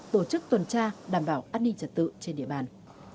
tổ chức tuần tra đảm bảo an ninh trật tự trên địa bàn